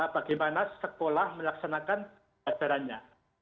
bagaimana sekolah melaksanakan pelajarannya